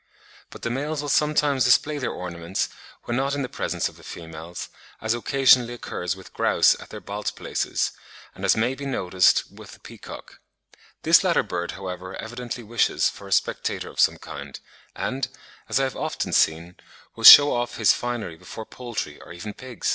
But the males will sometimes display their ornaments, when not in the presence of the females, as occasionally occurs with grouse at their balz places, and as may be noticed with the peacock; this latter bird, however, evidently wishes for a spectator of some kind, and, as I have often seen, will shew off his finery before poultry, or even pigs.